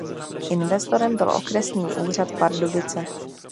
Investorem byl Okresní úřad Pardubice.